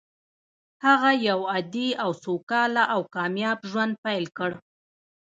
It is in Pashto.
هغه يو عادي او سوکاله او کامياب ژوند پيل کړ.